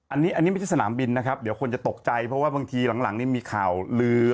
อันนี้อันนี้ไม่ใช่สนามบินนะครับเดี๋ยวคนจะตกใจเพราะว่าบางทีหลังนี่มีข่าวลือ